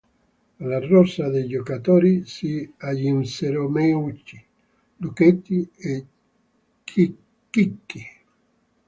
Alla rosa dei giocatori si aggiunsero Meucci, Lucchetti e Chicchi.